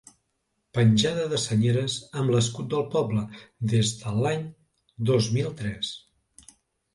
Penjada de senyeres amb l'escut del poble, des de l'any dos mil tres.